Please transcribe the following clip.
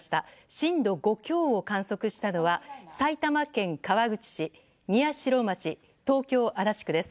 震度５強を観測したのは埼玉県川口市、宮代町東京・足立区です。